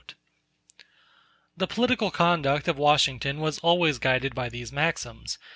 The political conduct of Washington was always guided by these maxims.